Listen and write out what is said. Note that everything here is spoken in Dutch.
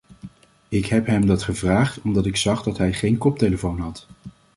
Ik heb hem dat gevraagd omdat ik zag dat hij geen koptelefoon had.